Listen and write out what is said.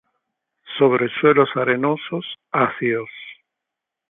Sobre suelos arenosos ácidos.